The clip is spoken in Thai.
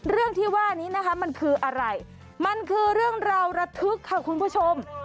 เรื่องที่ว่านี้นะคะมันคืออะไรมันคือเรื่องราวระทึกค่ะคุณผู้ชม